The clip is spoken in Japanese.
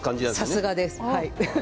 さすがです。